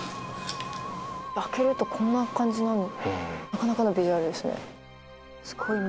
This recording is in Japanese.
「開けるとこんな感じなの？」